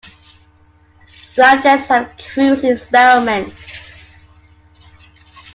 Scramjets have cruised in experiments.